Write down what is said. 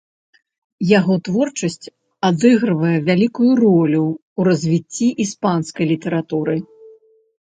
Яго творчасць адыгрывае вялікую ролю ў развіцці іспанскай літаратуры.